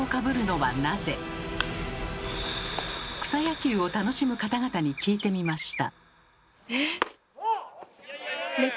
草野球を楽しむ方々に聞いてみました。